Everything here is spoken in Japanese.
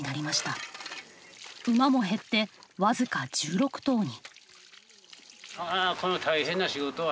馬も減って僅か１６頭に。